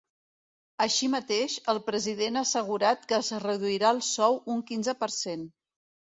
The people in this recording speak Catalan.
Així mateix, el president ha assegurat que es reduirà el sou un quinze per cent.